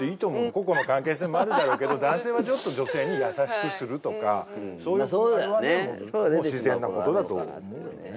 個々の関係性もあるだろうけど男性はちょっと女性に優しくするとかそういう振る舞いはね自然なことだと思うよね。